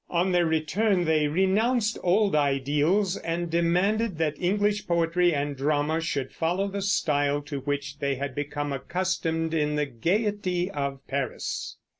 On their return they renounced old ideals and demanded that English poetry and drama should follow the style to which they had become accustomed in the gayety of Paris.